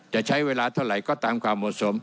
จะใช้เวลาเท่าไหร่ก็ตามความเหมาะสม